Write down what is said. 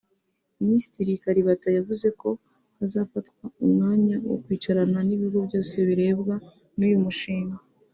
Minisitiri Kalibata yavuze ko hazafatwa umwanya wo kwicarana n’ibigo byose birebwa n’uyu mushinga